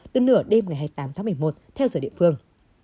từ nửa đêm ngày hai mươi tám tháng một mươi một theo giờ địa phương